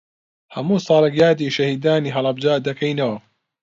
هەموو ساڵێک یادی شەهیدانی هەڵەبجە دەکەینەوە.